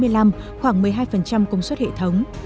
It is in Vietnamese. đến năm hai nghìn bốn mươi năm khoảng một mươi hai công suất hệ thống